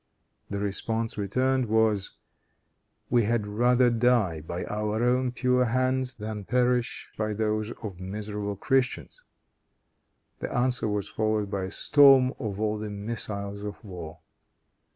The response returned was, "We had rather die by our own pure hands, than perish by those of miserable Christians." This answer was followed by a storm of all the missiles of war.